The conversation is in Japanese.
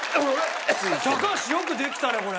高橋よくできたねこれ。